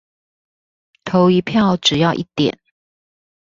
投一票只要一點